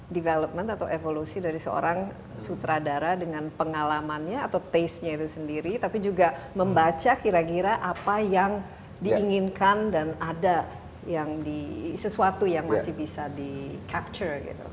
development atau evolusi dari seorang sutradara dengan pengalamannya atau taste nya itu sendiri tapi juga membaca kira kira apa yang diinginkan dan ada yang di sesuatu yang masih bisa di capture gitu